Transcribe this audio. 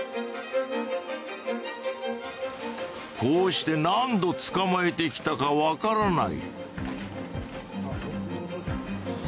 こうして何度捕まえてきたかわからない。